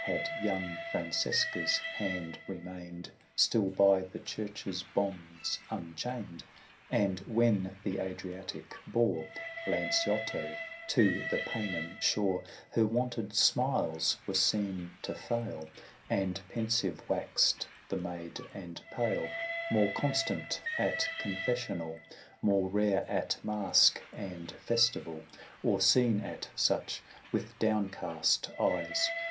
# ISO Had young Francesca's hand remained ■—' Still by the church's bonds unchained ; And when the Adriatic l)ore Lanciotto to the Paynim shore, *oa Jtfll Her wonted smiles were seen to fail, ^sfipiA ^^^ And pensive waxed the maid and pale ; M art^ More constant at confessional, More rare at masque and festival ; Or seen at such, with downcast eyes.